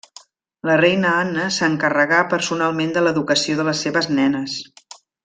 La reina Anna s'encarregà personalment de l'educació de les seves nenes.